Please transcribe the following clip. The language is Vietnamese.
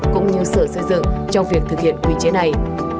cũng như sở xây dựng trong việc thực hiện quy chế này